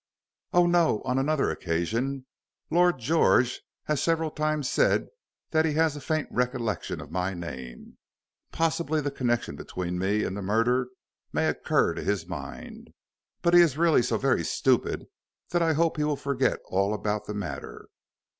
"Oh, no on another occasion. Lord George has several times said that he has a faint recollection of my name. Possibly the connection between me and the murder may occur to his mind, but he is really so very stupid that I hope he will forget all about the matter."